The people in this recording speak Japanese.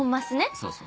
そうそう。